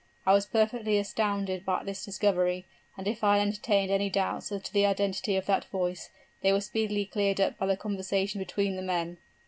I was perfectly astounded at this discovery, and if I had entertained any doubts as to the identity of that voice, they were speedily cleared up by the conversation between the men.